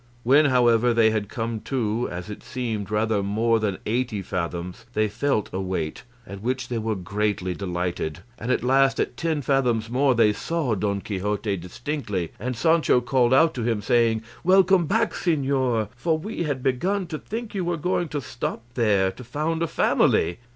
When, however, they had come to, as it seemed, rather more than eighty fathoms they felt a weight, at which they were greatly delighted; and at last, at ten fathoms more, they saw Don Quixote distinctly, and Sancho called out to him, saying, "Welcome back, señor, for we had begun to think you were going to stop there to found a family."